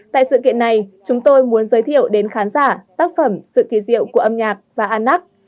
tại sự kiện này chúng tôi muốn giới thiệu đến khán giả tác phẩm sự kỳ diệu của âm nhạc và annak